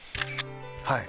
はい。